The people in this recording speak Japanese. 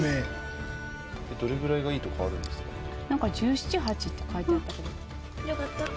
なんか１７１８って書いてあったけど。